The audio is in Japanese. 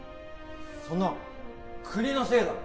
そんなの国のせいだろ